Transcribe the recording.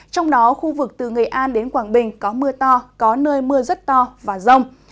trong đó khu vực từ nghệ an đến quảng bình có mưa to có nơi mưa rất to và rông